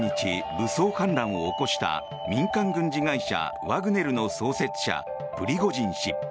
武装反乱を起こした民間軍事会社ワグネルの創設者プリゴジン氏。